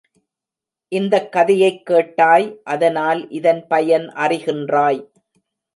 இந்தக்கதையைக் கேட்டாய் அதனால் இதன் பயன் அறிகின்றாய்.